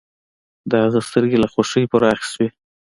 د هغه سترګې له خوښۍ پراخې شوې